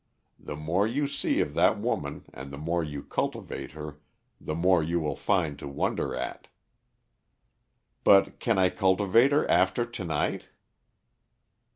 The more you see of that woman and the more you cultivate her the more you will find to wonder at." "But can I cultivate her after to night?"